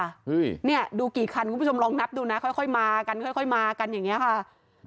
เฮ้ยนี่ดูกี่คันคุณผู้ชมลองนับดูนะค่อยมากันอย่างนี้ค่ะ